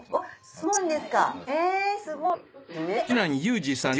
そうです。